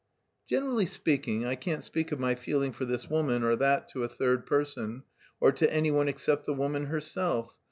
"Generally speaking, I can't speak of my feeling for this woman or that to a third person or to anyone except the woman herself.